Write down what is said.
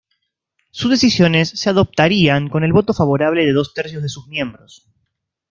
Sus decisiones se adoptarían con el voto favorable de dos tercios de sus miembros.